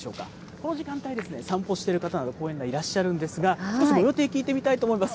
この時間帯、散歩している方など、公園にいらっしゃるんですが、ご予定聞いてみたいと思います。